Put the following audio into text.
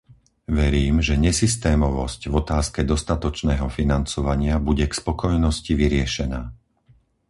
Verím, že nesystémovosť v otázke dostatočného financovania bude k spokojnosti vyriešená.